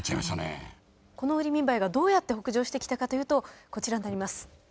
このウリミバエがどうやって北上してきたかというとこちらになります。